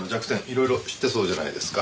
色々知ってそうじゃないですか。